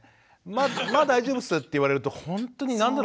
「まあ大丈夫っす」って言われるとほんとに何だろ